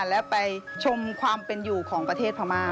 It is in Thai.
และไปชมความเป็นอยู่ของประเทศพม่า